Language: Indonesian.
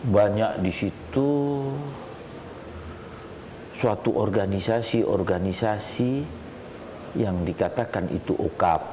banyak di situ suatu organisasi organisasi yang dikatakan itu okap